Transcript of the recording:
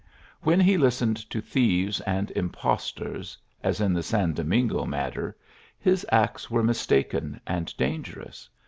When he listened to thieves and impostors, as in the San Domingo matter, his acts were mistaiken and dangerous.